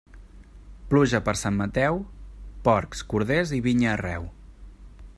Pluja per Sant Mateu, porcs, corders i vinya arreu.